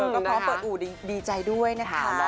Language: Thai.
ก็พร้อมเปิดอู่ดีใจด้วยนะคะ